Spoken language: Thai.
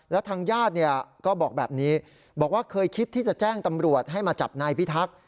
แล้วทางญาติก็บอกแบบนี้บอกว่าเคยคิดที่จะแจ้งตำรวจให้มาจับนายพิทักษ์